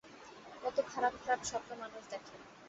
কত খারাপ-খারাপ স্বপ্ন মানুষ দেখে।